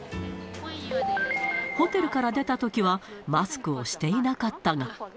ホテルから出たときはマスクをしていなかったが。